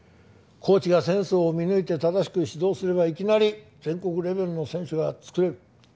コーチがセンスを見抜いて正しく指導すればいきなり全国レベルの選手が作れる。